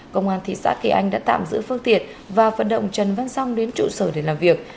công an thị xã kỳ anh đã tạm giữ phương tiện và vận động trần văn song đến trụ sở để làm việc